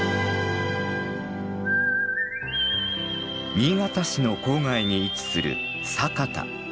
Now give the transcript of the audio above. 新潟市の郊外に位置する佐潟。